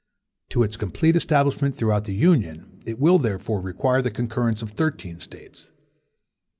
To its complete establishment throughout the Union, it will therefore require the concurrence of thirteen States.